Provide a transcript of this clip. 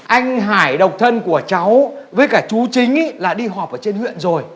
anh hải độc thân của cháu với cả chú chính là đi họp ở trên huyện rồi